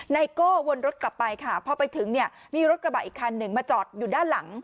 ไโก้วนรถกลับไปค่ะพอไปถึงเนี่ยมีรถกระบะอีกคันหนึ่งมาจอดอยู่ด้านหลัง